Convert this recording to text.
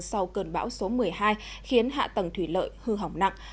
sau cơn bão số một mươi hai khiến hạ tầng thủy lợi hư hỏng nặng